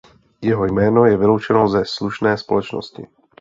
Jeho jméno je vyloučeno ze slušné společnosti.